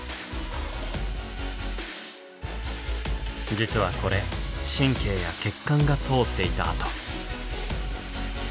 実はこれ神経や血管が通っていた跡。